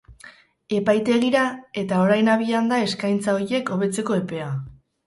Epaitegira, eta orain abian da eskaintza horiek hobetzeko epea.